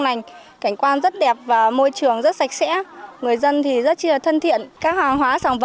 lành cảnh quan rất đẹp và môi trường rất sạch sẽ người dân thì rất chi là thân thiện các hóa sản